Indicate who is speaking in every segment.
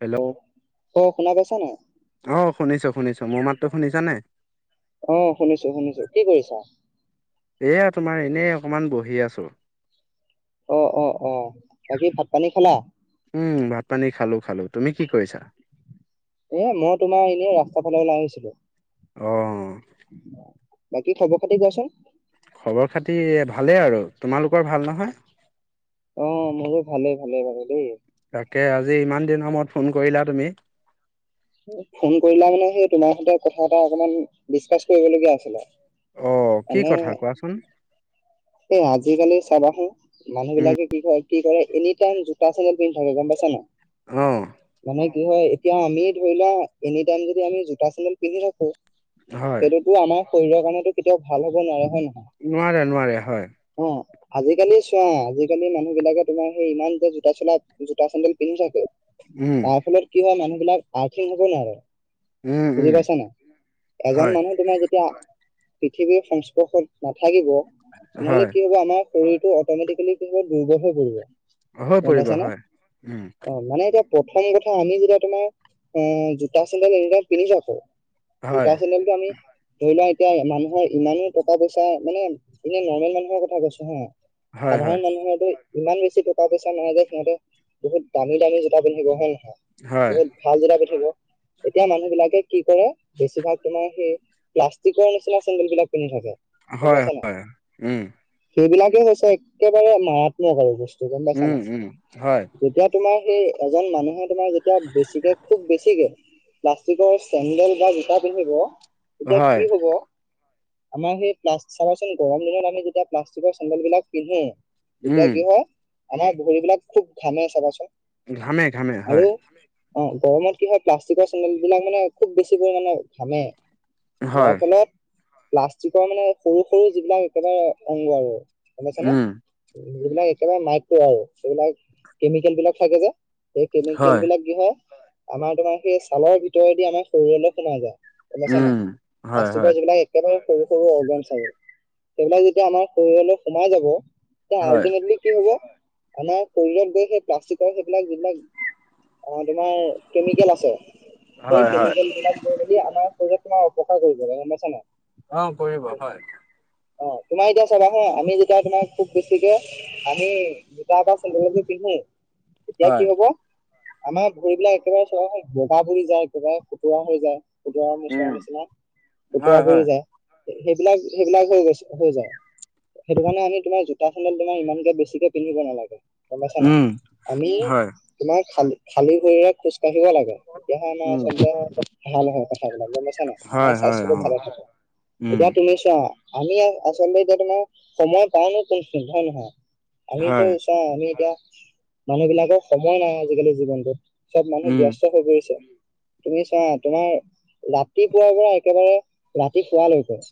Speaker 1: Hello?
Speaker 2: অ' শুনা পাইছা নাই?
Speaker 1: অ' শুনিছো শুনিছো, মোৰ মাতটো শুনিছা নাই?
Speaker 2: অ' শুনিছো শুনিছো, কি কৰিছা?
Speaker 1: এয়া তোমাৰ এনেই অকণমান বহি আছোঁ।
Speaker 2: অ', অ', অ' বাকী ভাত -পানী খালা?
Speaker 1: উম ভাত পানী খালো খালো। তুমি কি কৰিছা
Speaker 2: এ মই তোমাৰ এনে ৰাস্তাৰ ফালে ওলাই আহিছিলো।
Speaker 1: অঁ
Speaker 2: বাকী খবৰ খাতি কোৱাচোন?
Speaker 1: খবৰ খাতি ভালেই আৰু। তোমালোকৰ ভাল নহয়?
Speaker 2: অহ মোৰো ভালে ভালে ভালে দেই।
Speaker 1: তাকে আজি ইমান দিনৰ মূৰত ফোন কৰিলা তুমি।
Speaker 2: ফোন কৰিলা মানে সেই তোমাৰ সতে কথা এটা অকনমান ডিচকাচ কৰিবলগীয়া আছিলে।
Speaker 1: অ' কি কথা কোৱাচোন।
Speaker 2: এ আজিকালি চাবাচো মানুহ
Speaker 1: উম
Speaker 2: বিলাকে কি ক কি কৰে এনি টাইম জোতা চেন্দেল পিন্ধ থাকে গ'ম পাইছা ন।
Speaker 1: অঁ
Speaker 2: মানে কি হয়, এতিয়া আমি ধৰি লোৱা এনি টাইম যদি আমি জোতা- চেনদেল পিন্ধি থাকো
Speaker 1: হয়।
Speaker 2: তো আমাৰ শৰীৰৰ কামতো কেতিয়াও ভাল হ'ব নোৱাৰে হয় নে নহয়?
Speaker 1: নোৱাৰে নোৱাৰে হয়।
Speaker 2: অ আজিকালি চোৱা আজিকালি মানুহ বিলাকে তোমাৰ সেই ইমান যে জোতা -চোলা, জোতা- চেন্দেল পিন্ধি থাকে
Speaker 1: উম
Speaker 2: তাৰ ফলত কি হয় মানুহ বিলাক আৰ্থীং হব নোৱাৰে
Speaker 1: উম উম
Speaker 2: বুজি পাইছা নাই এজন
Speaker 1: হয়
Speaker 2: মানুহ তোমাৰ যেতিয়া পৃথিৱীৰ সংস্পৰ্শত নাথাকিব তেনেহলে
Speaker 1: হয়
Speaker 2: কি হ'ব আমাৰ শৰীৰটো অটমেটিকেলি দুৰ্বল হৈ পৰিব,
Speaker 1: হৈ
Speaker 2: গম
Speaker 1: পৰিব
Speaker 2: পাইছ নে?
Speaker 1: হয় উম
Speaker 2: অ', মানে এতিয়া প্ৰথম কথা আমি যেতিয়া তোমাৰ অ', জোতা- চেন্দেল এনি টাইম পিন্ধি থাকোঁ
Speaker 1: হয়
Speaker 2: জোতা চেণ্ডেল টো আমি ধৰি লোৱা এতিয়া মানুহৰ ইমানো টকা পইচা মানে এনে নৰ্মেল মানুহৰ কথা কৈছো হা
Speaker 1: হয়
Speaker 2: সাধাৰন
Speaker 1: হয়
Speaker 2: মানুহৰ তো ইমান বেছি টকা পইচা নহয় যে সিহঁতে বহুত দামী, দামী জোতা পিন্ধিব হয় নে নহয়
Speaker 1: হয়
Speaker 2: বহুত ভাল জোতা পিন্ধিব, এতিয়া মানুহ বিলাকে কি কৰে বেছিভাগ তোমাৰ সেই প্লাষ্টিকৰ নিচিনা চেন্দডেল বিলাক পিন্ধি থাকে
Speaker 1: হয়, হয় উম
Speaker 2: সেইবিলাকেই হৈছে একেবাৰে মাৰাত্মক আৰু বস্তু গম পাইচা
Speaker 1: উম
Speaker 2: নাই
Speaker 1: উম হয়
Speaker 2: যেতিয়া তোমাৰ সেই এজন মানুহে তোমাৰ যেতিয়া বেছি খুব বেছিকে প্লাষ্টিকৰ চেণ্ডেল বা জোতা পিন্ধিব এতিয়া
Speaker 1: হয়
Speaker 2: কি হ'ব আমাৰ সেই চাবাচোন গৰম দিনত আমি যেতিয়া প্লাষ্টিকৰ চেণ্ডেল বিলাক পিন্ধো
Speaker 1: উম
Speaker 2: তেতিয়া কি হয়, আমাৰ ভৰিবলাক খুব ঘামেই চাবাচোন।
Speaker 1: ঘামে ঘামে
Speaker 2: আৰু
Speaker 1: হয়।
Speaker 2: অ', গৰমত কি হয়, প্লাষ্টিকৰ চেন্দেল বিলাক মানে, খুব বেছি পৰিমানে ঘামে যাৰ
Speaker 1: হয়
Speaker 2: ফলত, প্লাষ্টিকৰ, মানে, সৰু, সৰু, যিবিলাক একেবাৰে অংগ আৰু গম পাইছানে,
Speaker 1: উম
Speaker 2: যিবিলাক একেবাৰে মাইক্ৰ আৰু সেইবিলাক কেমিকেল বিলাক থাকে যে এই কেমিকলল
Speaker 1: হয়
Speaker 2: বিলাক কি হয় আমাৰ তোমাৰ সেই ছালৰ ভিতৰেদি আমাৰ শৰীৰ অলপ সোমাই যায় পাইছা ন
Speaker 1: উম হয় হয়
Speaker 2: প্লাষ্টিকৰ যিবিলাক একেবাৰে সৰু সৰু অৰ্গেনছ আৰু সেইবিলাক যেতিয়া আমাৰ শৰীৰলৈ সোমাই যাব তে
Speaker 1: হয়
Speaker 2: আল্টিমেটলি কি হ'ব আমাৰ শৰীৰত গৈ সেই প্লাষ্টিকৰ সেইবিলাক যিবিলাক অ তোমাৰ কেমিকেল আছে সেই
Speaker 1: হয় হয়
Speaker 2: কেমিকেল বিলাক আমাৰ শৰীৰত তোমাৰ অপকাৰ কৰিব লাগে গম পাইছ নাই
Speaker 1: অ', কৰিব হয়।
Speaker 2: অ', তোমাৰ এতিয়া চাবা হা আমি যেতিয়া তোমাক খুব বেছিকে আমি জোতা বা চেন্দেলতো পিন্ধো তেতিয়া
Speaker 1: হয়
Speaker 2: কি হ'ব আমাৰ ভৰিবলাক একেবাৰে চাবা চোন বগা ভুৰি যায় একেবাৰে খুতুৰা হৈ যায় উুতৰা পৰি
Speaker 1: উম
Speaker 2: নিচিনা উুতৰা
Speaker 1: হয়
Speaker 2: পৰি
Speaker 1: হয়
Speaker 2: যায়। সেইবিলাক, সেইবিলাক হৈ গৈছে হৈ যায় সেইটো কাৰণে আমি তোমাৰ জোতা চেণ্ডেল তোমাৰ ইমানকে বেছিকে পিন্ধিব নালাগে গমাইছ ন
Speaker 1: উম
Speaker 2: আমি
Speaker 1: হয়
Speaker 2: তোমাৰ খালী খালী ভৰিৰে খোজ কাঢ়িব লাগে। তেতিয়াহে আমাৰ
Speaker 1: উম
Speaker 2: আচলতে ভাল হয় কথাবিলাক গ'ম পাইছা নাই
Speaker 1: হয়
Speaker 2: আমাৰ
Speaker 1: হয় অ
Speaker 2: স্বাস্থ্যটো ভালে থাকে
Speaker 1: উম
Speaker 2: এতিয়া তুমি চোৱা। আমি আচলতে এতিয়া তোমাৰ সময় পাওঁ নোকোন খিনি হয়ে নহয় আমিতো
Speaker 1: হয়
Speaker 2: এ আমি এতিয়া মানুহ বিলাকৰ সময় নাই আজিকালি জীৱনটোত চব মানুহ
Speaker 1: উম
Speaker 2: ব্যস্ত হৈ পৰিছে তুমি চোৱা তোমাৰ ৰাতিপুৱাৰ পৰা একেবাৰে ৰাতিশোৱালৈকে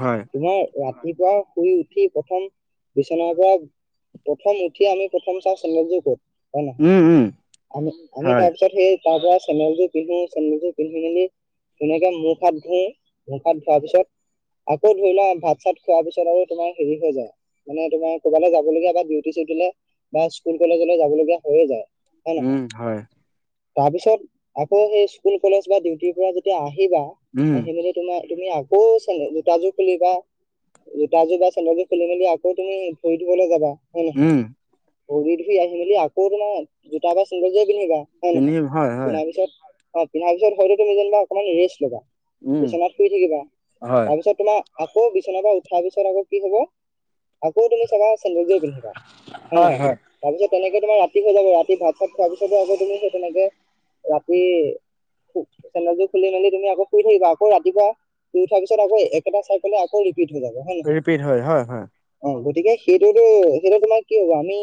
Speaker 1: হয়।
Speaker 2: তোমাৰ ৰাতিপুৱা শুই উঠি প্ৰথম বিচনাৰ পৰা প্ৰথম উঠি আমি প্ৰথম চাওঁ চেন্দেল জোৰ ক'ত, হয়, নহয়
Speaker 1: উম উম
Speaker 2: আমি
Speaker 1: হয়
Speaker 2: তাৰপিছত সেই তাৰ পৰা চেণ্ডেল যোৰ পিন্ধি চেণ্ডেল যোৰ পিন্ধিনি ধুনিয়াকৈ মুখ, হাত, ধুই ধোৱাৰ পিছত আকৌ ধৰি লোৱা, ভাত, চাত, খোৱাৰ পিছত আৰু তোমাৰ হেৰি হৈ যাই মানে, তোমাৰ, ক'ৰবালৈ যাবলগীয়া বা দিউতি চিউটি বা স্কুল কলেজলৈ যাবলগীয়া হৈয়ে যায় হয়
Speaker 1: উম
Speaker 2: নহয়,
Speaker 1: হয়
Speaker 2: তাৰপিছত আকৌ সেই স্কুল কলেজ বা ডিউটিৰ পৰা যেতিয়া আহিবা
Speaker 1: উম
Speaker 2: আহি মেলি তোমাৰ তুমি আকৌ চেন জোতাযোৰ খুলিবা জোতাযোৰ বা চেন্দেল যোৰ খুলি মেলি আকৌ তুমি ভৰি চুবলৈ যাবা হয় নহয়,
Speaker 1: উম
Speaker 2: ভৰি ধুই আহি মেলি আকৌ তোমাৰ জোতা বা চেন্দেল যোৰে পিন্ধিবা হয়
Speaker 1: তিনি
Speaker 2: নহয়,
Speaker 1: হয় হয়
Speaker 2: পিন্ধাৰ পিছত অ', পিন্ধাৰ পিছত হয়তো তুমি যেনিবা অকমান ৰেষ্ট লবা
Speaker 1: উম
Speaker 2: বিচনাত শুই থাকিবা
Speaker 1: হয়
Speaker 2: তাৰপিছত তোমাৰ আকৌ বিচনাৰ পৰা উঠাৰ পিছত আকৌ কি হব আকৌ তুমি চাবা চেন্দেল জোৰেই পিন্ধিবা হয় নহয়, তাৰপিছত তেনেকে তোমাৰ ৰাতি হৈ যাব ৰাতি ভাত ছাত, খোৱাৰ পিছতো আকৌ তুমি তেনেকে ৰাতি চেন্দেল জোৰ খুলি, মেলি, তুমি আকৌ শুই থাকিবা আকৌ ৰাতিপুৱা শুই উঠাৰ পিছত আকৌ একেটা চাইকেল আকৌ ৰিপিট হৈ যাব হয়ে, নহয়
Speaker 1: ৰিপিট হয় হয় হয়
Speaker 2: অ', গতিকে সেইটোতো সেইটো তোমাৰ কি হ'ব আমি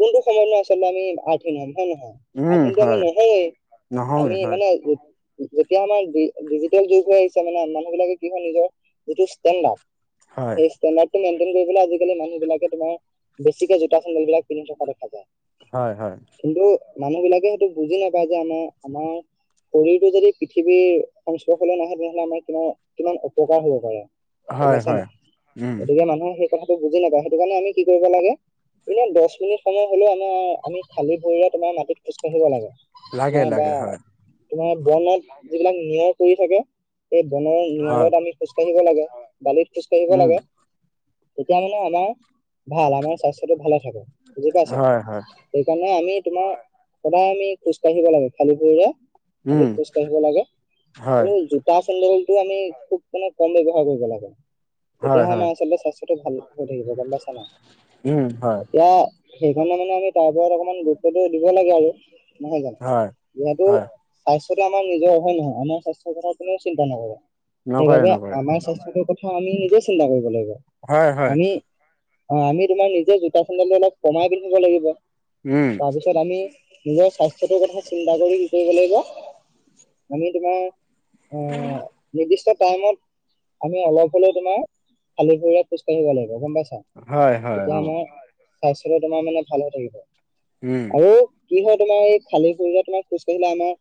Speaker 2: কোনটো সময়ত নহ আচলতে আমি [unintelligible] হয়, নহয়, [unintelligible]
Speaker 1: উম
Speaker 2: আমি
Speaker 1: হয়
Speaker 2: নহয়
Speaker 1: নহয়
Speaker 2: আমি
Speaker 1: হয়
Speaker 2: মানে যেতিয়া আমাৰ ডিজিটেল যুগ হৈ আহিছে মানে মানুহ বিলাকে কি হয় নিজৰ যিটো ষ্টেণ্ডাৰ্ড
Speaker 1: হয়
Speaker 2: এই ষ্টেণ্ডাৰটো মেইনটেইন কৰিবলৈ আজিকালি মানুহ বিলাকে তোমাৰ বেছিকে জোতা চেন্দেল বিলাক পিন্ধি থকা দেখা যায়।
Speaker 1: হয় হয়
Speaker 2: কিন্তু মানুহ বিলাকে সেইটো বুজি নাপায় যে আমাৰ আমাৰ শৰীৰটো যদি পৃথিৱীৰ সংস্পৰ্শলৈ নাহে তেনেহলে আমাৰ কিমান কিমান অপকাৰ হব পাৰে। গম
Speaker 1: হয়
Speaker 2: পাইছা
Speaker 1: হয় উম
Speaker 2: নাই গতিকে মানুহে সেই কথাটো বুজি নাপায় সেইটো কাৰণে আমি কি কৰিব লাগে এনে দহ মিনিট সময় হলেও আমাৰ আমি খালি ভুৰিৰে তোমাৰ মাটিত খোজ কাঢ়িব লাগে
Speaker 1: লাগে
Speaker 2: নাই বা
Speaker 1: লাগে হয়
Speaker 2: তোমাৰ বনত যিবিলাক নিয়ৰ পৰি থাকে সেই বনৰ
Speaker 1: হয়
Speaker 2: নিয়ৰত আমি খোজকাঢ়িব লাগে বালিত খোজকাঢ়িব
Speaker 1: উম,
Speaker 2: লাগে তেতিয়া মানে আমাৰ ভাল, আমাৰ স্বাস্থ্যটো ভালে থাকে, বুজি পাইছা?
Speaker 1: হয় হয়।
Speaker 2: সেইকাৰণে আমি তোমাৰ সদায় আমি খোজ কাঢ়িব লাগে খালি ভৰিৰে অধিক
Speaker 1: উম,
Speaker 2: খোজ কঢ়িব লাগে
Speaker 1: হয়,
Speaker 2: আৰু জো জোতা চেণ্ডলটো আমি খুব মানে কম ব্যৱহাৰ কৰিব লাগে।
Speaker 1: হয়,
Speaker 2: তেতিয়াহে
Speaker 1: হয়,
Speaker 2: আমাৰ আচলতে স্বাস্থ্যটো ভাল হৈ থাকিব গম পাইছা নাই।
Speaker 1: উম, হয়,
Speaker 2: এতিয়া সেইকাৰনে মানে আমি তাৰ উপৰত অকমান গুৰুত্বটো দিব লাগে আৰু, নহয় জানো।
Speaker 1: হয়,
Speaker 2: যিহেতু
Speaker 1: হয়,
Speaker 2: স্বাস্থ্যটো আমাৰ নিজৰ, হয় নহয়। আমাৰ স্বাস্থ্যৰ কথা কোনেও চিন্তা নকৰে
Speaker 1: নকৰে,
Speaker 2: সেইবাবে
Speaker 1: নকৰে,
Speaker 2: আমাৰ স্বাস্থ্যটোৰ কথা আমি নিজে চিন্তা কৰিব লাগিব
Speaker 1: হয়, হয়,
Speaker 2: আমি অ', আমি তোমাৰ নিজে জোতা চেণ্ডেলতে অলপ কমাই পিন্ধিব লাগিব।
Speaker 1: উম,
Speaker 2: তাৰ পিছত আমি নিজৰ স্বাস্থ্যতেৰ কথা চিন্তা কৰি কি কৰিব লাগিব আমি তোমাৰ অ', নিৰ্দিষ্ট টাইমত আমি অলপ হলেও তোমাৰ খালি ভৰিৰে খোজ কাঢ়িব লাগিব। গম পাইছা?
Speaker 1: হয়, হয়,
Speaker 2: তেতিয়া
Speaker 1: অ',
Speaker 2: আমাৰ স্বাস্থ্যটো তোমাৰ মানে ভাল হৈ থাকিব।
Speaker 1: উম,
Speaker 2: আৰু কি হয় তোমাৰ এই খালী ভৰিৰে তোমাৰ খোজ কাঢ়িলে আমাৰ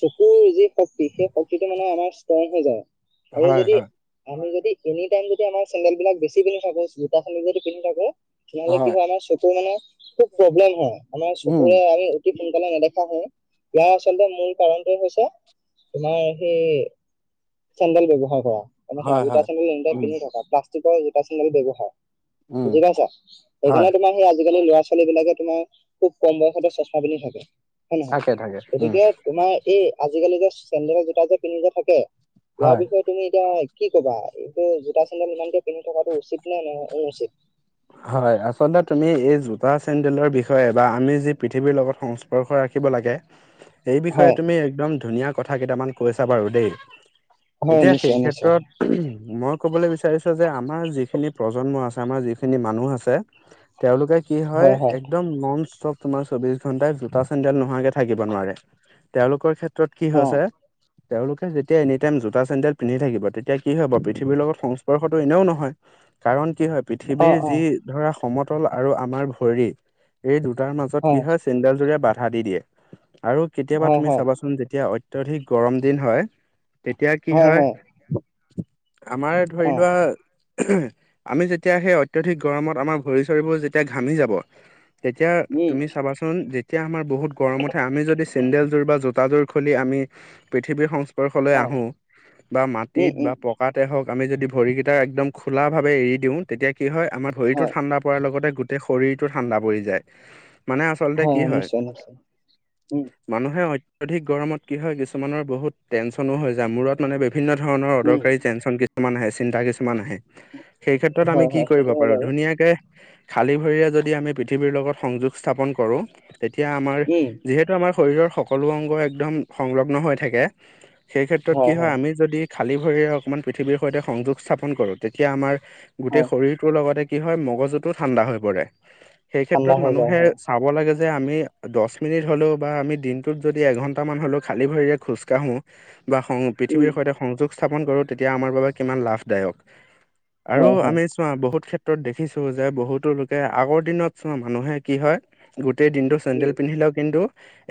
Speaker 2: চকুৰ যি শক্তি সেই শক্তিটো মানে আমাৰ ষ্ট্ৰং হৈ যায়। আৰু
Speaker 1: হয়,
Speaker 2: যদি
Speaker 1: হয়,
Speaker 2: আমি যদি এনিটাইম যদি আমাৰ চেন্দেল বিলাক বেছি পন্ধি থাকো, জোতা চেন্দেল যদি পিন্ধি থাকো তেনেহ'লে কি হয় আমাৰ চকুৰ মানে খুব প্ৰব্লেম হয়। আমাৰ
Speaker 1: উম,
Speaker 2: চকুৰে আমি অতি সোনকালে নেদেখা হওঁ। ইয়াৰ আচলতে মূল কাৰণটো হৈছে তোমাৰ সেই চেণ্ডেল ব্যৱহাৰ কৰা।
Speaker 1: হয়,
Speaker 2: জোতা
Speaker 1: হয়,
Speaker 2: চেন্দেল এনিটাইম
Speaker 1: উম,
Speaker 2: পিন্ধি থকা। প্লাষ্টিকৰ জোতা চেন্দেল ব্যৱহাৰ
Speaker 1: উম,
Speaker 2: বুজি পাইছা?
Speaker 1: হয়,
Speaker 2: সেইকাৰণে তোমাৰ সেই আজিকালি লৰা ছোৱালী বিলাকে তোমাৰ খুব কম বয়সতে চচমা পিন্ধি থাকে। হয়ে নহয়?
Speaker 1: থাকে, থাকে, উম,
Speaker 2: গতিকে তোমাৰ এই আজিকালি যে চেন্দেলৰ জোতা যে পিন্ধি যে থাকে, ইয়াৰ
Speaker 1: হয়,
Speaker 2: বিষয়ে তুমি এতিয়া কি ক'বা? এইটো জোতা চেন্দেল ইমান কে পিন্ধি থকাতটো উচিত নে অনুচিত?
Speaker 1: হয়, আচলতে তুমি এই জোতা চেণ্ডেলৰ বিষয়ে বা আমি যি পৃথিৱীৰ লগত সংস্পৰ্শ ৰাখিব লাগে,
Speaker 2: [inaudible]
Speaker 1: সেই বিষয়ে তুমি একদম ধুনীয়া কথা কেইটামান কৈছা বাৰু দেই।
Speaker 2: হয়
Speaker 1: এতিয়া সেই
Speaker 2: নিশ্চয় নিশ্চয়
Speaker 1: ক্ষেত্ৰত মই ক'বলৈ বিচাৰিছো যে আমাৰ যিখিনি প্ৰজন্ম আছে, আমাৰ যি খিনি মানুহ আছে, তেওঁলোকে কি হয় একদম নন ষ্টপ তোমাৰ চৌবিশ ঘন্টাই জোতা চেণ্ন্দেল নোহোৱাকে থাকিব নোৱাৰে। তেওঁলোকৰ ক্ষেত্ৰত কি
Speaker 2: অ
Speaker 1: হৈছে তেওঁলোকে যেতিয়া এনি টাইম জোতা চেণ্ডেল পিন্ধি থাকিব তেতিয়া কি হব? পৃথিৱীৰ লগত সংস্পৰ্শতটো এনেও নহয়। কাৰণ কি হয়
Speaker 2: অ
Speaker 1: পৃথিৱীৰ
Speaker 2: অ
Speaker 1: যি ধৰা সমতল আৰু আমাৰ ভৰি, এই দুটাৰ মাজত কি হয় চেণ্ডেল জোৰ এ বাধা দি দিয়ে। আৰু কেতিয়াবা
Speaker 2: হয়
Speaker 1: তুমি
Speaker 2: হয়
Speaker 1: চাবাচোন যেতিয়া অত্যাদিক গৰম দিন হয়, তেতিয়া কি হয়, আমাৰ ধৰি
Speaker 2: অ
Speaker 1: লোৱা আমি যে তেতিয়া সেই অত্যধিক গৰমত আমাৰ ভৰি চৰিবোৰ যেতিয়া ঘামি যাব। তেতিয়া
Speaker 2: উম
Speaker 1: তুমি চাবা চোন যেতিয়া আমাৰ বহুত গৰম উঠে, আমি যদি চেন্দেলযোৰ বা জোতাযোৰ খুলি আমি পৃথিৱীৰ সংশ ৰলে
Speaker 2: হয়
Speaker 1: আহো, বা
Speaker 2: উম
Speaker 1: মাটিত
Speaker 2: উম
Speaker 1: বা প কাতে হঁওক আমি যদি ভৰিকিটা একদম খোলক ভাৱে এৰি দিওঁ তেতিয়া কি হয় আমাৰ ভৰিটো
Speaker 2: হয়
Speaker 1: ঠাণ্ডা পৰাৰ লগতে গোটেই শৰীৰটো ঠাণ্ডা পৰি যায় মানে আচলতে কি হয়
Speaker 2: উম
Speaker 1: মানুহে অত্যাধিক গৰমত কি হয় কিছুমানৰ বহুত টেনচনো হৈ যায় মূৰত মানে বিভিন্ন ধৰণৰ
Speaker 2: উম
Speaker 1: অদৰকাৰী টেনছন কিছুমান আহে সেই বোৰ তো আমি
Speaker 2: হয়
Speaker 1: কি
Speaker 2: হয়
Speaker 1: কৰিব
Speaker 2: সেইটো হয়
Speaker 1: পাৰো
Speaker 2: বাৰু
Speaker 1: ধুনীয়াকে খালী ভৰিৰে যদি আমি পৃথিৱীৰ লগত সংযোগ স্থাপন কৰোঁ, তেতিয়া আমাৰ
Speaker 2: উম
Speaker 1: যিহেতু আমাৰ শৰীৰৰ সকলো অংগ একদম সংলগ্ন হৈ থাকে সেই ক্ষেত্ৰত কি হয় আমি যদি খালী ভৰিৰে অকণমান পৃথিৱীৰ সৈতে সংযোগ স্থাপন কৰোঁ, তেতিয়া আমাৰ গোটেই
Speaker 2: হয়
Speaker 1: শৰীৰটোৰ লগতে কি হয়, মগজুতটো ঠাণ্ডা হৈ পৰে, সেই
Speaker 2: ঠাণ্ডা
Speaker 1: ক্ষেত্ৰত
Speaker 2: হৈ যায়
Speaker 1: মানুহে
Speaker 2: হয়
Speaker 1: চাব লাগে যে আমি দশ মিনিট হ'লেও বা আমি দিনটোত যদি এঘণ্টামান হ'লেও খালী ভৰিৰে খোজকাঢ়োঁ বা সং পৃথিৱীৰ
Speaker 2: উম
Speaker 1: সৈতে সংযোগ স্থাপন কৰোঁ তেতিয়া আমাৰ বাবে কিমান লাভদায়ক আৰু
Speaker 2: হয় হয়
Speaker 1: আমি চোৱা বহুত ক্ষেত্ৰত দেখিছো যে বহুতো লোকে আগৰ দিনত চোৱা মানুহে কি হয় গোটেই দিনটো চেন্দেল
Speaker 2: উম
Speaker 1: পিন্ধিলেও কিন্তু,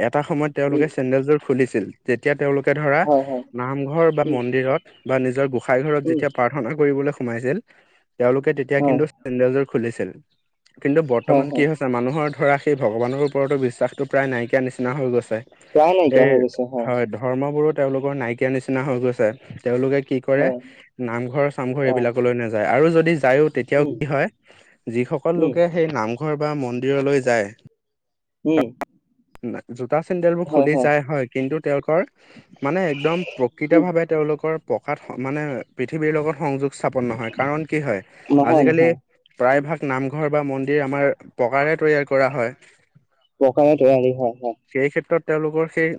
Speaker 1: এটা সময়ত তেওঁলোকে
Speaker 2: উম
Speaker 1: চেন্দেলযোৰ খুলিছিল তেতিয়া তেওঁলোকে ধৰা
Speaker 2: হয় হয়
Speaker 1: নামঘৰ বা মন্দিৰত বা নিজৰ গোসাই ঘৰত
Speaker 2: উম উম
Speaker 1: যেতিয়া প্ৰাৰ্থনা প্ৰাৰ্থনা কৰিবলৈ সোমাইছিল তেওঁলোকে, তেতিয়া
Speaker 2: হয়
Speaker 1: কিন্তু চেন্দেলযোৰ খুলিছিল। কিন্তু
Speaker 2: হয়
Speaker 1: বৰ্তমান
Speaker 2: হয়
Speaker 1: কি হৈছে মানুহৰ ধৰা সেই ভগৱানৰ ওপৰতো বিশ্বাসটো প্ৰায় নাইকিয়া নিচিনা হৈ গৈছে
Speaker 2: প্ৰায় নাইকিয়া
Speaker 1: এই
Speaker 2: হৈ গৈছে
Speaker 1: হয় ধৰ্মবোৰো তেওঁলোকৰ নাইকিয়া নিচিনা হৈ গৈছে তেওঁলোকে কি কৰে
Speaker 2: হয় হয়
Speaker 1: নামঘৰ চামঘৰ
Speaker 2: অ
Speaker 1: এইবিলাকলৈ নাযায় আৰু যদি যায়ো তেতিয়াও
Speaker 2: উম
Speaker 1: কি হয়, যিসকল
Speaker 2: উম
Speaker 1: লোকে সেই নামঘৰ বা মন্দিৰলৈ যায়
Speaker 2: উম
Speaker 1: না জোতা চেন্দেল বোৰ খুলি যায় হয় কিন্তু, তেওঁলোকৰ মানে একদম প্ৰকৃত
Speaker 2: উম
Speaker 1: ভাৱে তেওঁলোকৰ পকাত মানে পৃথিৱীৰ লগত সংযোগ স্থাপন নহয় কাৰণ, কি হয়
Speaker 2: নহয়
Speaker 1: আজিকালি
Speaker 2: নহয়
Speaker 1: প্ৰায়ভাগ নামঘৰ বা মন্দিৰ আমাৰ পকাৰে তৈয়াৰ কৰা হয়।
Speaker 2: প্ৰকাৰে তৈয়াৰী হয় হয়।
Speaker 1: সেই ক্ষেত্ৰত তেওঁলোকৰ সেই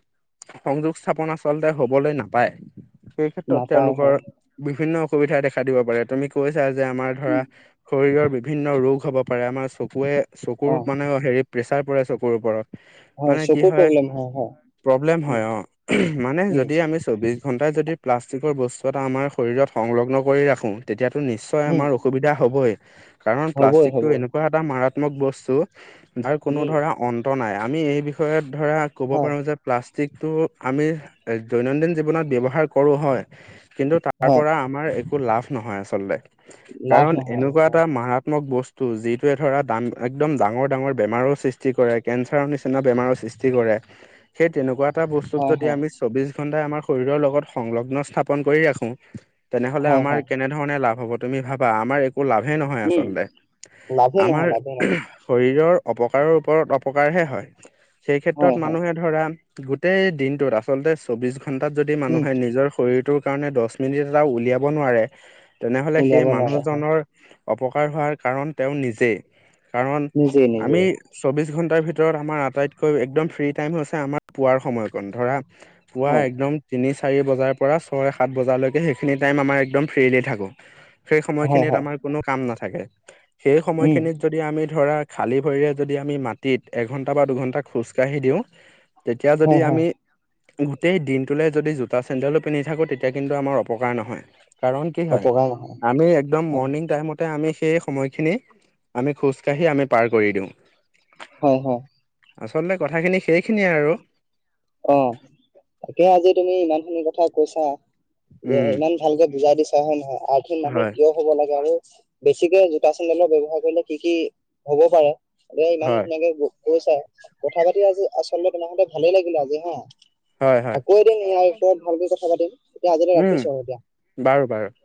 Speaker 1: সংযোগ স্থাপন আচলতে হবলৈ নাপায়। সেই ক্ষেত্ৰত
Speaker 2: নাপায়
Speaker 1: তেওঁলোকৰ
Speaker 2: হয়
Speaker 1: বিভিন্ন অসুবিধা দেখা দিব পাৰে তুমি কৈছা যে আমাৰ ধৰা,
Speaker 2: উম
Speaker 1: শৰীৰৰ বিভিন্ন ৰোগ হ'ব পাৰে, আমাৰ চকুৱে
Speaker 2: অ
Speaker 1: চকুৰ মানে হেৰি প্ৰেছাৰ পৰে চকুৰ ওপৰত।
Speaker 2: হয়
Speaker 1: মানে কি
Speaker 2: চকুৰ
Speaker 1: হয়
Speaker 2: প্ৰব্লেম হয়
Speaker 1: প্ৰব্লেম
Speaker 2: উম
Speaker 1: হয় অহ মানে
Speaker 2: উম
Speaker 1: যদি আমি চৌবিশ ঘন্টাই যদি প্লাষ্টিকৰ বস্তু এটা আমাৰ শৰত সংলগ্ন কৰি ৰাখো তেতিয়াটো, নিশ্চয়
Speaker 2: উম
Speaker 1: আমাৰ অসুবিধা হ'বই কাৰণ,
Speaker 2: হ'বই
Speaker 1: প্লাষ্টিকটো
Speaker 2: হ'বই
Speaker 1: এনেকুৱা এটা মাৰাত্মক বস্তু তাৰ কোনো
Speaker 2: উম
Speaker 1: ধৰা অন্ত নাই, আমি এই বিষয়ত ধৰা ক'ব
Speaker 2: হয়
Speaker 1: পাৰো যে প্লাষ্টিকটো আমি দৈনন্দিন জীৱনত ব্যৱহাৰ কৰোঁ হয়। কিন্তু তাৰ
Speaker 2: হয়
Speaker 1: পৰা আমাৰ একো লাভ নহয় আচলতে।
Speaker 2: লাভ
Speaker 1: কাৰণ
Speaker 2: নহয়
Speaker 1: এনেকুৱা
Speaker 2: নহয়
Speaker 1: এটা মাৰাত্মক বস্তু যিটোৱে ধৰা একদম ডাঙৰ ডাঙৰ বেমাৰো সৃষ্টি কৰে বেমাৰৰ সৃষ্টি কৰে সেইতেনেৱা এটা বস্তুক
Speaker 2: হয়
Speaker 1: যদি
Speaker 2: হয়
Speaker 1: আমি চৌবিশ ঘন্টাই আমাৰ শৰীৰৰ লগত সংলগ্ন স্থাপন কৰি ৰাখো তেনেহলে
Speaker 2: হয়
Speaker 1: আমাৰ
Speaker 2: হয়
Speaker 1: কেনে ধৰণে লাভ হ'ব তুমি ভাবা আমাৰ একো লাভেই নহয়
Speaker 2: উম
Speaker 1: আচলতে
Speaker 2: লাভে
Speaker 1: আমাৰ
Speaker 2: নহয় লাভে নহয়
Speaker 1: শৰীৰৰ অপকাৰৰ ওপৰত অপকাৰ এবাৰ হে হয় সেই ক্ষেত্ৰত
Speaker 2: হয় হয়
Speaker 1: মানুহে ধৰা গোটেই দিনটোত আচলতে চৌবিশ ঘন্টা চৌহান ঘন্টাত যদি
Speaker 2: উম
Speaker 1: মানুহে নিজৰ শৰীৰটোৰ কাৰণে দশ মিনিট এটাও উলিয়াব নোৱাৰে। তেনেহলে সেই
Speaker 2: উলিয়াব নোৱাৰে হয়
Speaker 1: মানুহজনৰ অপকাৰ হোৱাৰ কাৰণ তেওঁ নিজেই। কাৰণ
Speaker 2: নিজে নিজে
Speaker 1: আমি চৌবিশ ঘন্টাৰ ভিতৰত ভিতৰত আমাৰ আটাইতকৈ একদম ফ্ৰী টাইম হৈছে আমাৰ পুৱাৰ সময়কণ ধৰা পুৱা
Speaker 2: হয়
Speaker 1: একদম তিনি চাৰি বজাৰ পৰা ছয় সাত বজালৈকে সেইখিনি টাইম আমাৰ একদম ফ্ৰীৰিলি থাকো। সেই
Speaker 2: হয়
Speaker 1: সময়খিনিত
Speaker 2: হয়
Speaker 1: আমাৰ কোনো কাম নাথাকে সেই
Speaker 2: উম
Speaker 1: সময়খিনিত যদি আমি ধৰা খালী ভৰিৰে যদি আমি মাটিত এঘন্টা বা দুঘণ্টা খোজকাঢ়ি দিওঁ। তেতিয়া যদি
Speaker 2: হয় হয়
Speaker 1: আমি গোটেই দিনটোলৈ যদি জোতা চেণ্ডেলো পিন্ধি থাকোঁ তেতিয়া কিন্তু আমাৰ অপকাৰ নহয়। কাৰণ কি হয়
Speaker 2: অপকাৰ নহয়
Speaker 1: আমি একদম মৰ্ণিং টাইমত ততে আমি সেই সময়খিনি আমি খোজ কাঢ়ি আমি পাৰ কৰি দিওঁ।
Speaker 2: হয় হয়।
Speaker 1: আচলতে কথাখিনি সেইখিনিয়ে আৰু।
Speaker 2: অ' তাকে আজি তুমি ইমান খিনি কথা কৈছা যে
Speaker 1: উম
Speaker 2: ইমান ভালকে বুজাই দিছা হয় নহয় আথিন মানুহ
Speaker 1: হয়
Speaker 2: কিয় হ'ব লাগে আৰু বেছিকে জোতা চেন্দেলৰ ব্য্ৱহাৰ কৰিলে কি কি হ'ব পাৰে। এ ইমান
Speaker 1: হয়
Speaker 2: ধুনেকে কৈছা কথা পাতি আজি আচলতে তোমাক সতে ভালেই লাগিলে আজি হা।
Speaker 1: হয় হয়
Speaker 2: আকোৱে দিমাৰ ওৰত ভালকে কথা পাতিম এতিয়া আজতে
Speaker 1: উম
Speaker 2: ৰাখিছো আৰু এতিয়া।
Speaker 1: বাৰু বাৰু।